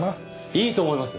いいと思います。